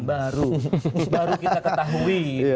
bahwa ada sebuah sumber penghasilan